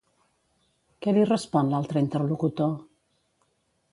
Què li respon l'altre interlocutor?